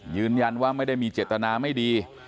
ยืนยันว่าไม่ได้มีเจตนาไม่ดี